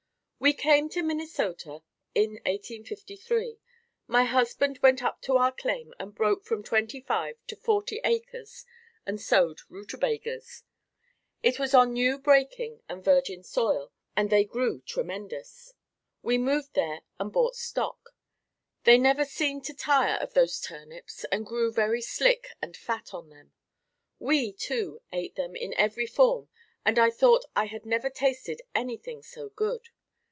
We came to Minnesota in 1853. My husband went up to our claim and broke from twenty five to forty acres and sowed rutabagas. It was on new breaking and virgin soil and they grew tremendous. We moved there and bought stock. They seemed never to tire of those turnips and grew very slick and fat on them. We, too, ate them in every form and I thought I had never tasted anything so good.